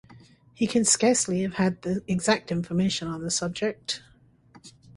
He can scarcely have had exact information on the subject.